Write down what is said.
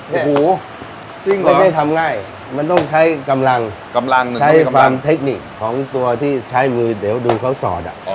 หูจริงเหรอไม่ได้ทำง่ายมันต้องใช้กำลังกำลังหนึ่งใช้ความเทคนิคของตัวที่ใช้มือเดี๋ยวดึงเขาสอดอ่ะอ๋อ